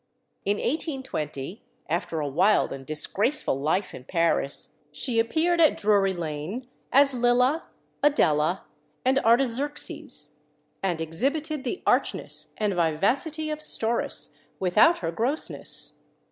In 1820, after a wild and disgraceful life in Paris, she appeared at Drury Lane as Lilla, Adela, and Artaxerxes, and exhibited the archness, and vivacity of Storace without her grossness.